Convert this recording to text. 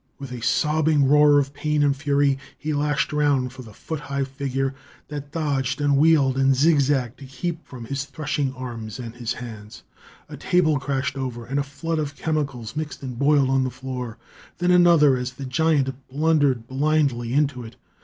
With a sobbing roar of pain and fury, he lashed round for the foot high figure that dodged and wheeled and zig zagged to keep from his threshing arms and his hands. A table crashed over, and a flood of chemicals mixed and boiled on the floor; then another, as the giant blundered blindly into it.